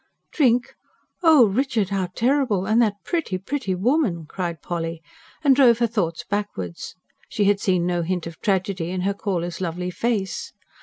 "Drink? Oh, Richard, how terrible! And that pretty, pretty woman!" cried Polly, and drove her thoughts backwards: she had seen no hint of tragedy in her caller's lovely face.